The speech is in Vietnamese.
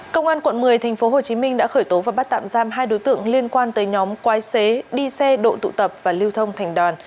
công an quận một mươi tp hcm đã khởi tố và bắt tạm giam hai đối tượng liên quan tới nhóm quái xế đi xe độ tụ tập và lưu thông thành đoàn